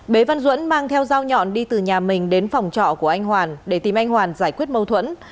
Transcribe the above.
bế văn duẫn mang theo dao nhọn đi từ nhà mình đến phòng trọ của anh hoàn để tìm anh hoàn giải quyết mâu thuẫn